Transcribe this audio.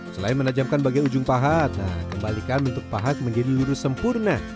selain menajamkan bagian ujung pahat kembalikan bentuk pahat menjadi lurus sempurna